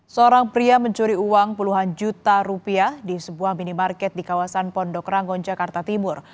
seorang pria mencuri uang puluhan juta rupiah di sebuah minimarket di kawasan pondok rangon jakarta timur